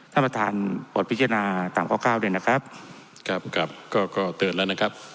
ท่านประธานปลดพิจารณาตามข้อเก้าด้วยนะครับครับครับก็ก็เตือนแล้วนะครับ